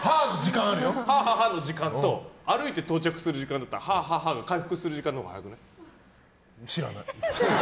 ハアハアの時間と歩いて到着する時間とハアハアが回復する時間のほうが知らない。